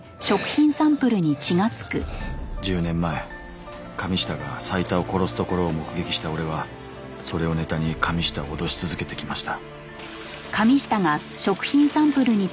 １０年前神下が斉田を殺すところを目撃した俺はそれをネタに神下を脅し続けてきました。